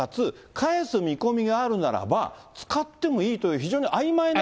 返す見込みがあるならば、使ってもいいという、あいまい。